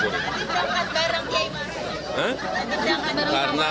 berangkat sekarang ya pak